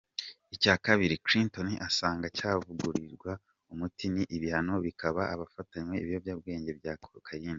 Icya Kabiri, Clinton asanga cyavugutirwa umuti ni ibihano bihabwa abafatanywe ibiyobyabwenge bya Cocaine.